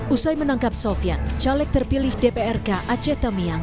usai menangkap sofian caleg terpilih dpr aceh tamiang